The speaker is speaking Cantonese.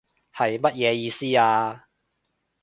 係乜嘢意思啊？